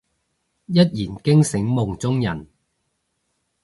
一言驚醒夢中人